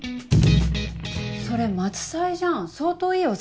それ松祭じゃん相当いいお酒だよ。